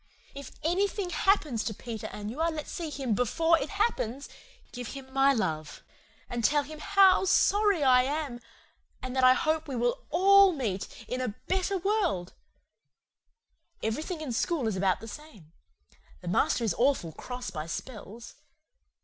If ANYTHING HAPPENS to Peter and you are let see him BEFORE IT HAPPENS give him MY LOVE and tell him HOW SORRY I AM, and that I hope we will ALL meet in A BETTER WORLD Everything in school is about the same. The master is awful cross by spells.